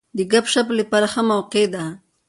د ګپ شپ لپاره ښه موقع وه.